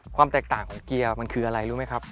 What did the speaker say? ความแตกต่างของเกียร์มันคืออะไรรู้ไหมครับ